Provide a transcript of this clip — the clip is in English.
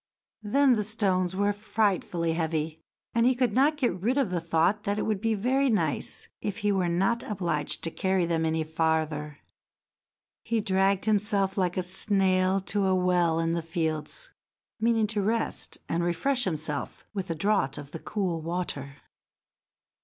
Then the stones were frightfully heavy, and he could not get rid of the thought that it would be very nice if he were not obliged to carry them any farther. He dragged himself like a snail to a well in the fields, meaning to rest and refresh himself with a draught of the cool water.